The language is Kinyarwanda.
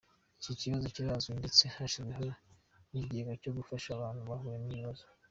Iki kibazo kirazwi ndetse hashyizweho n’ikigega cyo gufasha abantu bahuye n’ibibazo .